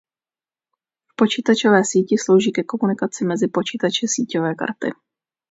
V počítačové síti slouží ke komunikaci mezi počítači síťové karty.